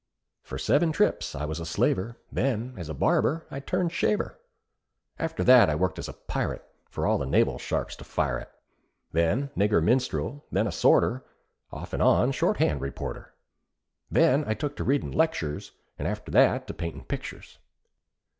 For seven trips I was a slaver, Then, as a barber, I turned shaver. After that I worked as pirate, For all the naval sharps to fire at. Then nigger minstrel, then a sorter, Off an' on, shorthand reporter. Then I took to readin' lectures, And after that to paintin' pictures.